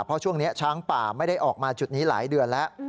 เพราะช่วงนี้ช้างป่าไม่ได้ออกมาจุดนี้หลายเดือนแล้ว